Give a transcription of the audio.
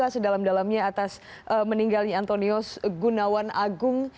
sedalam dalamnya atas meninggalnya antonio gunawan agung